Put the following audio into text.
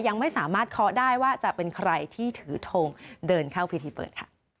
ยังไม่สามารถเคาะได้ว่าจะเป็นใครที่ถือทงเดินเข้าพิธีเปิดค่ะ